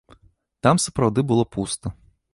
Там сапраўды было пуста.